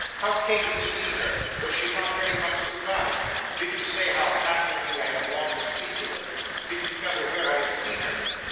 How came you to see her? Was she not very much surprised? Did you say how passionately I have longed to speak to her? Did you tell her where I had seen her?